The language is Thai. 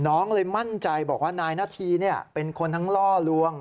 น้องเลยมั่นใจบอกว่านายนาธีเป็นคนทั้งล่อลวง